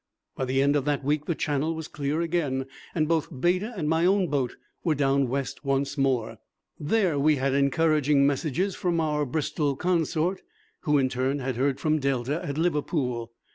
By the end of that week the Channel was clear again, and both Beta and my own boat were down West once more. There we had encouraging messages from our Bristol consort, who in turn had heard from Delta at Liverpool.